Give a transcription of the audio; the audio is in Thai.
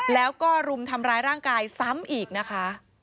แล้วก็รุมทำร้ายร่างกายซ้ำอีกนะคะ